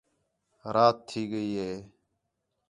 رات تھی ڳئی ہے